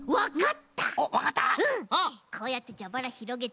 こうやってじゃばらひろげて。